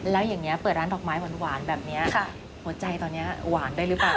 แล้วอย่างนี้เปิดร้านดอกไม้หวานแบบนี้หัวใจตอนนี้หวานได้หรือเปล่า